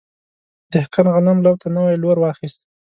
دهقان غنم لو ته نوی لور واخیست.